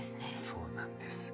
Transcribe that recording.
そうなんです。